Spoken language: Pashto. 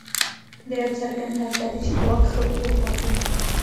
دا یو څرګند حقیقت دی چې ځواک ښه کوډ خوښوي